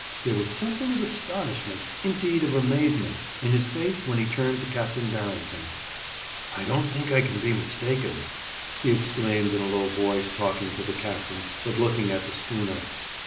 There was something of astonishment indeed, of amazement in his face when he turned to Captain Barrington. 'I don't think I can be mistaken,' he exclaimed in a low voice, talking to the captain, but looking at the schooner.